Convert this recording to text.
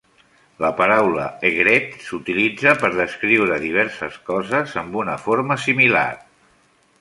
La paraula "aigrette" s'utilitza per descriure diverses coses amb una forma similar.